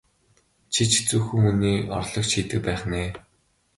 Чи ч хэцүүхэн хүний орлогч хийдэг байх нь ээ?